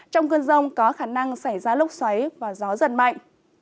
trong cơn rông có khả năng xảy ra lốc xoáy và gió giật mạnh